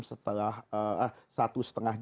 setelah satu setengah